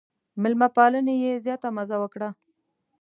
مېلمه پالنې یې زیاته مزه وکړه.